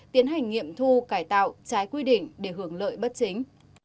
tiến hành nghiệm thu cải tạo trái quy định để hưởng lợi bất chính